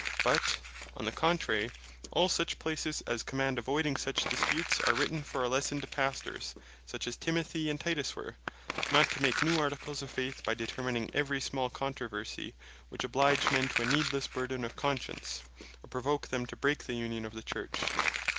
But on the contrary, all such places as command avoiding such disputes, are written for a Lesson to Pastors, (such as Timothy and Titus were) not to make new Articles of Faith, by determining every small controversie, which oblige men to a needlesse burthen of Conscience, or provoke them to break the union of the Church.